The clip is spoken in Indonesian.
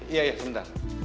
iya iya sebentar